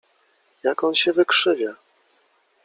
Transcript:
Jak on się wykrzywia!